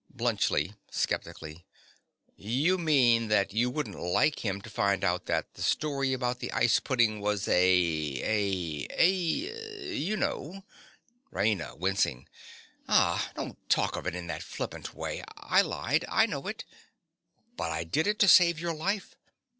BLUNTSCHLI. (sceptically). You mean that you wouldn't like him to find out that the story about the ice pudding was a—a—a—You know. RAINA. (wincing). Ah, don't talk of it in that flippant way. I lied: I know it. But I did it to save your life.